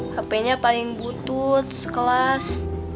hp nya paling butuh sekelas